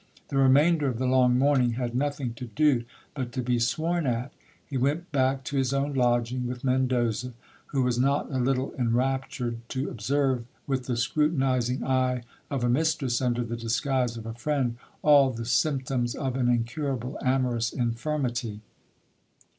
The remainder of the long morning had nothing to do, but to be sworn at ! He went back to his own lodging with Mendoza, who was not a little enraptured to observe, with the scrutinizing eye of a mistress under the disguise of a friend, all the symptoms of an incurable amorous infirmity.